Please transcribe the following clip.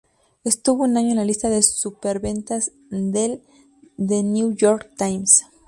Estuvo un año en la lista de superventas del "The New York Times".